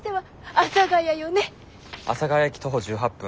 阿佐ヶ谷駅徒歩１８分